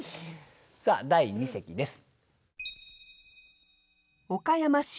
さあ第二席です。